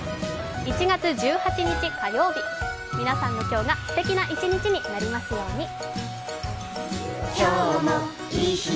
１月１８日火曜日、皆さんの今日がすてきな一日になりますように。